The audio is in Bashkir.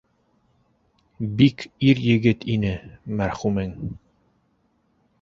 Бик ир-егет ине, мәрхүмең.